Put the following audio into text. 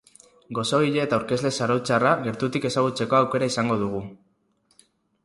Gozogile eta aurkezle zarauztarra gertutik ezagutzeko aukera izango dugu.